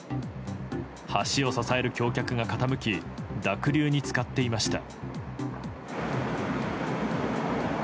橋を支える橋脚が傾き濁流に浸かっていました。